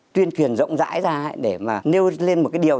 tuyên truyền rộng rãi ra để mà nêu lên một cái điều